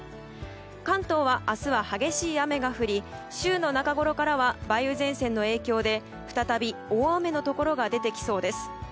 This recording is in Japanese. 関東は、明日は激しい雨が降り週の中ごろからは梅雨前線の影響で再び大雨のところが出てきそうです。